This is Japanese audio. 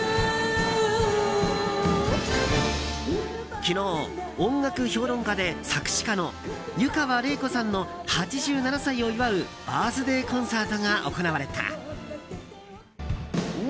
昨日、音楽評論家で作詞家の湯川れい子さんの８７歳を祝うバースデーコンサートが行われた。